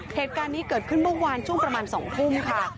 เหตุการณ์นี้เกิดขึ้นเมื่อวานช่วงประมาณ๒ทุ่มค่ะ